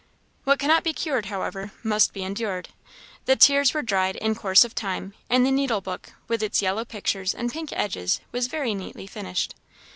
What cannot be cured, however, must be endured. The tears were dried, in course of time, and the needlebook, with its yellow pictures and pink edges, was very neatly finished.